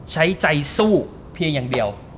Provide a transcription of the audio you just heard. ใช้ใจสู้เพียงอย่างเดียว